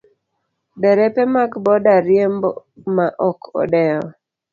Derepe mag boda riembo ma ok odewo.